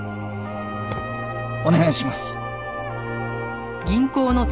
お願いします！